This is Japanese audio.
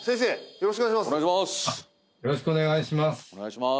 よろしくお願いします